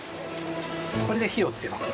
これで火をつけます。